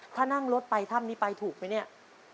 ถ้านั่งรถไปถ้ำนี้ไปถูกไหมเนี่ย